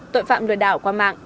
tội phạm lừa đảo qua mạng